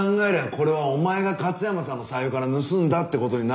これはお前が勝山さんの財布から盗んだって事になるよな？